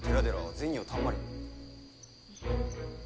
銭をたんまり。